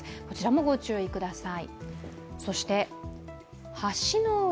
こちらもご注意ください。